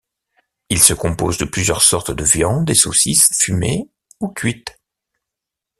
Il se compose de plusieurs sortes de viandes et saucisses fumées ou cuites.